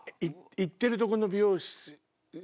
行ってるとこの美容師？